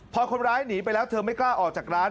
พอคนร้ายหนีไปแล้วเธอไม่กล้าออกจากร้าน